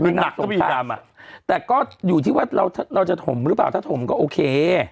คือหนักสงครามอ่ะแต่ก็อยู่ที่ว่าเราจะถมหรือเปล่าถ้าถมก็โอเค